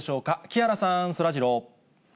木原さん、そらジロー。